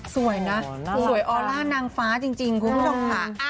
สวยนะสวยออร่านางฟ้าจริงคุณคุณค่ะ